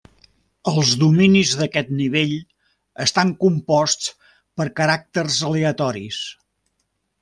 Els dominis d'aquest nivell estan composts per caràcters aleatoris.